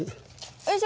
よいしょ！